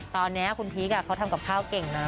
ตอนนี้คุณพีคเขาทำกับข้าวเก่งนะ